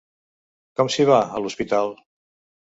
Com s'hi va, a l'hospital?